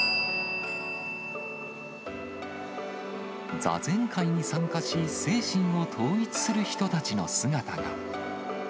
座禅会に参加し、精神を統一する人たちの姿が。